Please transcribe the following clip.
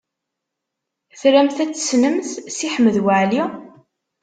Tramt ad tessnemt Si Ḥmed Waɛli?